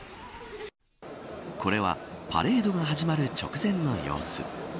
これはパレードが始まる直前の様子。